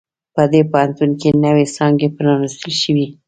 په دې پوهنتون کې نوی څانګي پرانیستل شوي